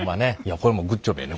これもグッジョブやね。